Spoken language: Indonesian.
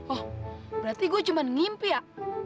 oh berarti gue cuman ngimpi ya